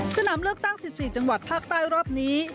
สนามเลือกตั้ง๑๔จังหวัดภาคใต้รอบนี้